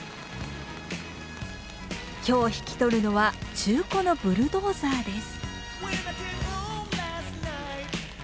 今日引き取るのは中古のブルドーザーです。